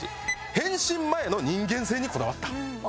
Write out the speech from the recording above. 変身前の人間性にこだわった。